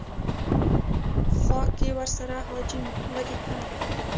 خوا کې ورسره حاجي ولیکه.